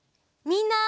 みんな！